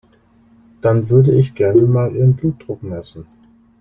Dann würde ich gerne mal Ihren Blutdruck messen.